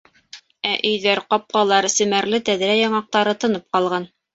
Ә өйҙәр, ҡапҡалар, семәрле тәҙрә яңаҡтары тынып ҡалған.